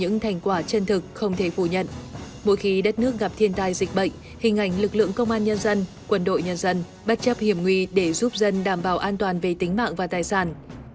hình ảnh lực lượng công an nhân dân quân đội nhân dân bắt chấp hiểm nguy để giúp dân đảm bảo an toàn về tính mạng và tài sản